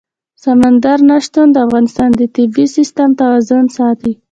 سمندر نه شتون د افغانستان د طبعي سیسټم توازن ساتي.